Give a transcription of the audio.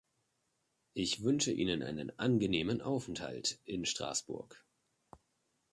Ich wünsche Ihnen einen angenehmen Aufenthalt in Straßburg.